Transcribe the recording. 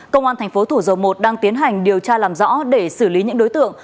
công an thành phố thủ dầu một đang tiến hành điều tra làm rõ để xử lý những đối tượng